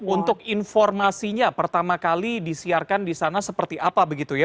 untuk informasinya pertama kali disiarkan di sana seperti apa begitu ya